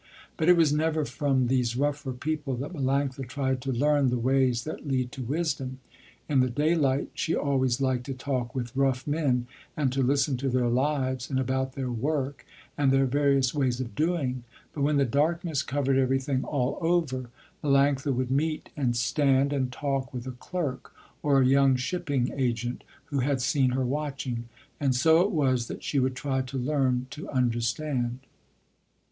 But it was never from these rougher people that Melanctha tried to learn the ways that lead to wisdom. In the daylight she always liked to talk with rough men and to listen to their lives and about their work and their various ways of doing, but when the darkness covered everything all over, Melanctha would meet, and stand, and talk with a clerk or a young shipping agent who had seen her watching, and so it was that she would try to learn to understand.